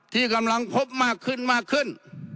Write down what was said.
ที่กำลังพบมากขึ้น